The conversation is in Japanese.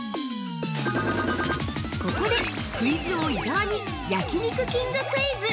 ◆ここで、クイズ王・伊沢に焼肉きんぐクイズ。